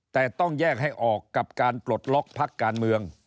แต่ต้องแยกให้ออกกับการปลดล็อกพักการเมือง